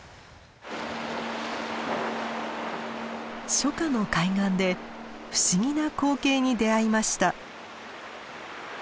初夏の海岸で不思議な光景に出会いました。